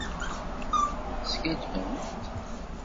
Skaddbent.